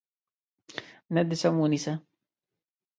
نیت دې سم ونیسه.